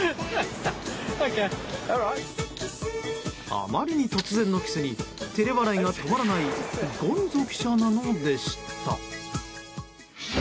あまりに突然のキスに照れ笑いが止まらないゴンゾ記者なのでした。